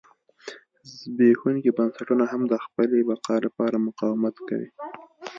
زبېښونکي بنسټونه هم د خپلې بقا لپاره مقاومت کوي.